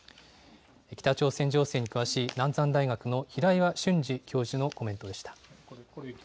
北朝鮮情勢に詳しい南山大学の平岩俊司教授のコメントでした。